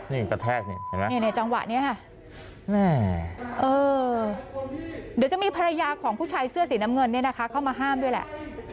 เดี่ยวจะมีภรรยาของผู้ชายเสื้อสีน้ำเงินเข้ามาห้ามด้วยแหละ